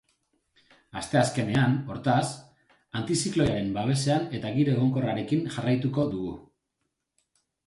Asteazkenean, hortaz, antizikloiaren babesean eta giro egonkorrarekin jarraituko dugu.